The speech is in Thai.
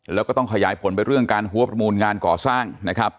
แล้วก็ต้องขยายผลไปเรื่องการหัวประมูลงานก่อสร้างนะครับ